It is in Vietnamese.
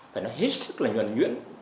và nó hết sức là nhuẩn nhuyễn